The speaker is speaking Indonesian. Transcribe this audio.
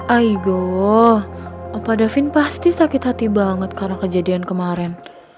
aigo apa davin pasti sakit hati banget karena kejadian kemarin